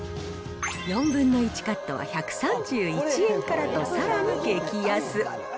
４分の１カットは１３１円からとさらに激安。